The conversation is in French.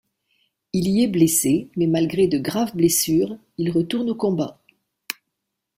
Il y est blessé, mais malgré de graves blessures, il retourne au combat.